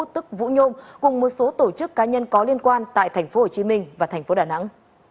tức vũ nhôm cùng một số tổ chức cá nhân có liên quan tại tp hcm và thành phố đà nẵng